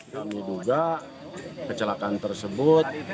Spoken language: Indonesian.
kami duga kecelakaan tersebut